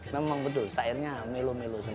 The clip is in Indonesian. memang betul sayurnya melo melo semua